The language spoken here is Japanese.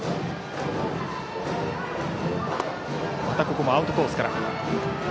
またここもアウトコースから。